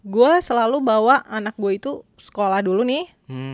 gue selalu bawa anak gue itu sekolah dulu nih